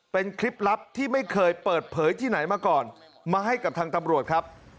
เป็นคลิปลับที่ไม่เคยเปิดเผยที่ไหนมาก่อนมาให้กับทางตำรวจครับ